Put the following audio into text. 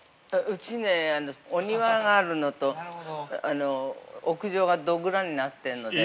◆うちね、お庭があるのと、屋上がドッグランになってるので。